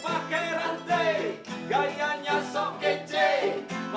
pake rantai gayanya sok kece padahal dia sebenarnya milik